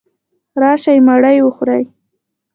راشئ مړې وخورئ.